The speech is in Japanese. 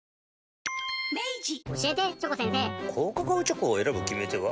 高カカオチョコを選ぶ決め手は？